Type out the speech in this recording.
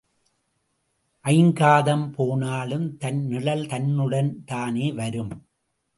ஐங்காதம் போனாலும் தன் நிழல் தன்னுடன்தானே வரும்?